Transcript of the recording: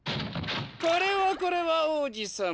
これはこれは王子さま。